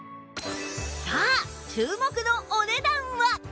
さあ注目のお値段は